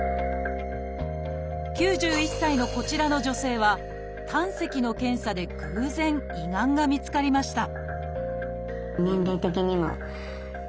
９１歳のこちらの女性は胆石の検査で偶然胃がんが見つかりました